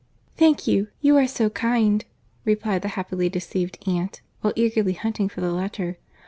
"Thank you. You are so kind!" replied the happily deceived aunt, while eagerly hunting for the letter.